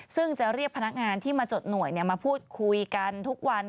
ซึ่งจะเรียกพนักงานที่มาจดหน่วยมาพูดคุยกันทุกวัน